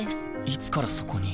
いつからそこに？